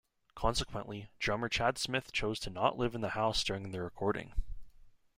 Consequently, drummer Chad Smith chose to not live in the house during the recording.